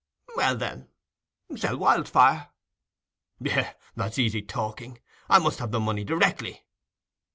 "Well, then, sell Wildfire." "Yes, that's easy talking. I must have the money directly."